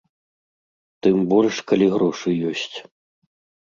Тым больш, калі грошы ёсць.